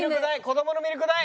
子どものミルク代。